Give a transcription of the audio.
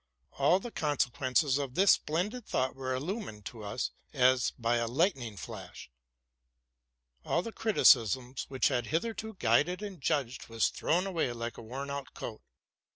All the consequences of this splendid thought were illumined to us as by a lightning flash: all the criticism which had hitherto guided and judged was thrown away like a worn out coat.